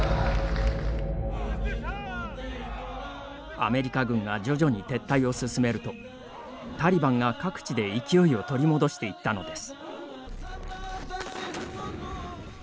アメリカ軍が徐々に撤退を進めるとタリバンが各地で勢いを取り戻していったのです。